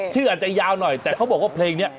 อาจจะยาวหน่อยแต่เขาบอกว่าเพลงนี้